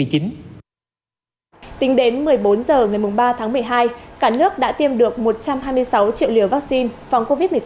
tính đến một mươi bốn h ngày ba tháng một mươi hai cả nước đã tiêm được một trăm hai mươi sáu triệu liều vaccine phòng covid một mươi chín